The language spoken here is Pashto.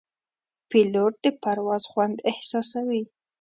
پیلوټ د پرواز خوند احساسوي.